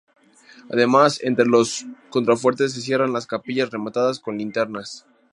Además, entre los contrafuertes se cierran capillas rematadas con linternas.